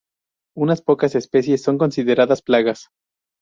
Unas pocas especies son consideradas plagas.